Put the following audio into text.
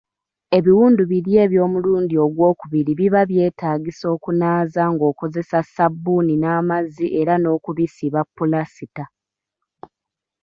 Ebiwundu biri eby'omulundi ogwokubiri biba byetaagisa okunaaza ng'okozesa ssabbuuni n'amazzi era n'okubisiba ppulasita